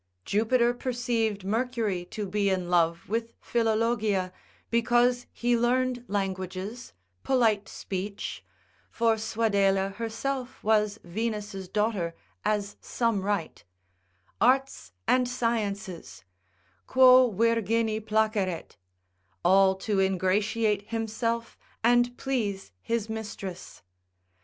Jupiter perceived Mercury to be in love with Philologia, because he learned languages, polite speech, (for Suadela herself was Venus' daughter, as some write) arts and sciences, quo virgini placeret, all to ingratiate himself, and please his mistress.